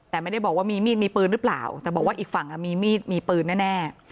แต่ไม่ได้บอกว่ามีมีดมีปืนหรือเปล่าแต่บอกว่าอีกฝั่งมีมีดมีปืนแน่